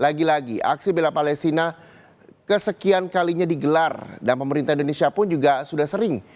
lagi lagi aksi bela palestina kesekian kalinya digelar dan pemerintah indonesia pun juga sudah sering